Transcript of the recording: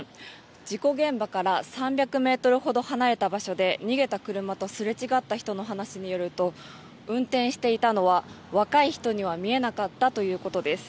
事故現場から３００ｍほど離れた場所で逃げた車とすれ違った人の話によると運転していたのは若い人には見えなかったということです。